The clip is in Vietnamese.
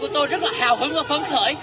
tôi rất là hào hứng và phấn khởi